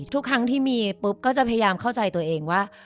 ทุกครั้งที่มีปุ๊บก็จะพยายามเข้าใจตัวเองว่า